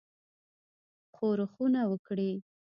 ښورښونه وکړي.